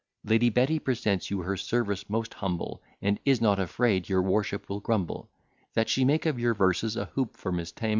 Lady Betty presents you her service most humble, And is not afraid your worship will grumble, That she make of your verses a hoop for Miss Tam.